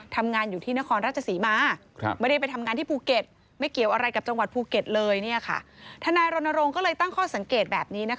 ทนายรณรงค์ก็เลยตั้งข้อสังเกตแบบนี้